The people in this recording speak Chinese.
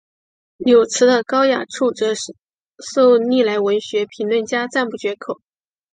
柳词的高雅处则受历来文学评论家赞不绝口。